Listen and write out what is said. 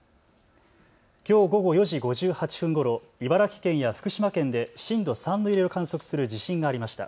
きょう午後４時５８分ごろ、茨城県や福島県で震度３の揺れを観測する地震がありました。